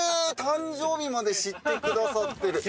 誕生日まで知ってくださってる。